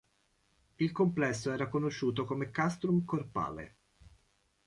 Il complesso era conosciuto come "Castrum Corpaloe".